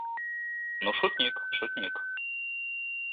Ну, шутник, шутник...